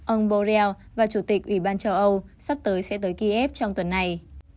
ông borrell và chủ tịch ủy ban châu âu sắp tới sẽ tới kiev trong tuần này